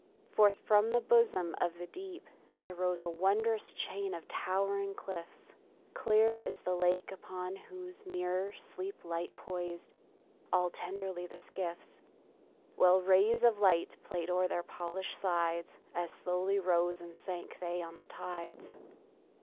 Forth from the bosom of the deep There rose a wondrous chain of towering cliffs, Clear as the lake upon whose mirror sleep Light poised, all tenderly the skiffs; While rays of light played o'er their polished sides, As slowly rose and sank they on the tides.